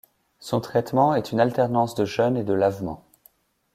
Son traitement est une alternance de jeûnes et de lavements.